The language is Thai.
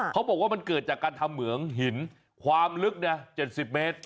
เขาบอกว่ามันเกิดจากการทำเหมืองหินความลึก๗๐เมตร